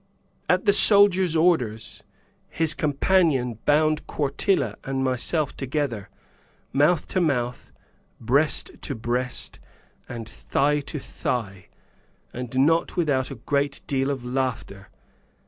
At the soldier's orders, his companion bound Quartilla and myself together, mouth to mouth, breast to breast, and thigh to thigh; and not without a great deal of laughter.